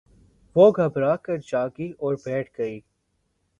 وہ گھبرا کر جاگی اور بیٹھ گئی